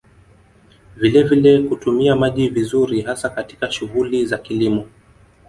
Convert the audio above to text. Vilevile kutumia maji vizuri hasa katika shughuli za kilimo